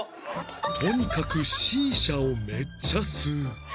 とにかくシーシャをめっちゃ吸う